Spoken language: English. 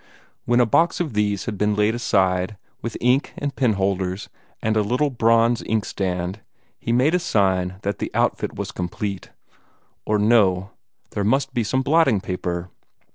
When a box of these had been laid aside, with ink and pen holders and a little bronze inkstand, he made a sign that the outfit was complete. Or no there must be some blotting paper.